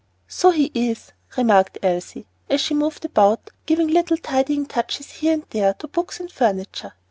"So he is," remarked Elsie as she moved about giving little tidying touches here and there to books and furniture.